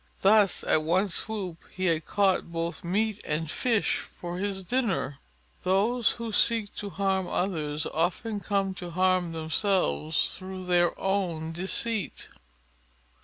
Thus at one swoop he had caught both meat and fish for his dinner. _Those who seek to harm others often come to harm themselves through their own deceit.